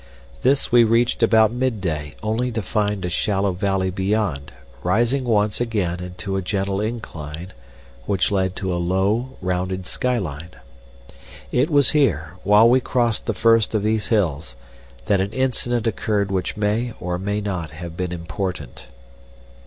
This we reached about midday, only to find a shallow valley beyond, rising once again into a gentle incline which led to a low, rounded sky line. It was here, while we crossed the first of these hills, that an incident occurred which may or may not have been important.